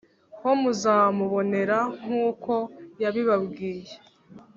ho muzamubonera nk uko yabibabwiye